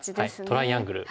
トライアングル。